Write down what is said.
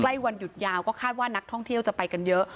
วันหยุดยาวก็คาดว่านักท่องเที่ยวจะไปกันเยอะ